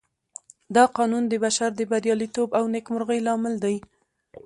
دا قانون د بشر د برياليتوب او نېکمرغۍ لامل دی.